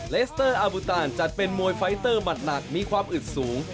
เลสเตอร์อาบูตานจัดเป็นมวยไฟเตอร์หมัดหนักมีความอึดสูง